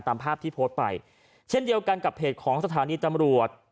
ตามภาพที่โพสต์ไปเช่นเดียวกันกับเพจของสถานีตำรวจ